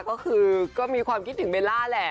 ก็คือก็มีความคิดถึงเบลล่าแหละ